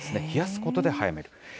冷やすことで早める。